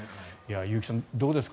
結城さん、どうですか。